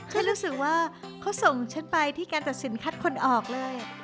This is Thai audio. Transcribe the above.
ฉันรู้สึกว่าเขาส่งฉันไปที่การตัดสินคัดคนออกเลย